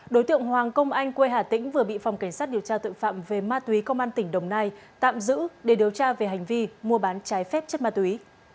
đối tượng hoàng công anh quê hà tĩnh vừa bị phòng cảnh sát điều tra tội phạm về ma túy công an tỉnh đồng nai tạm giữ để điều tra về hành vi mua bán trái phép chất ma túy